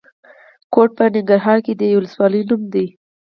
کوټ په ننګرهار کې د یوې ولسوالۍ نوم دی.